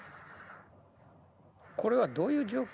これはどういう状況？